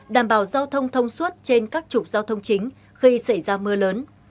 đảm bảo giao thông thông suốt trên các trục giao thông chính khi xảy ra mưa lớn